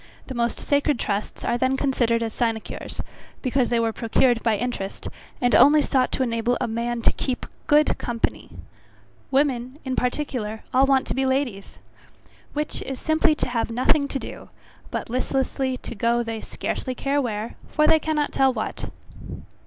The most sacred trusts are then considered as sinecures, because they were procured by interest, and only sought to enable a man to keep GOOD COMPANY. Women, in particular, all want to be ladies. Which is simply to have nothing to do, but listlessly to go they scarcely care where, for they cannot tell what.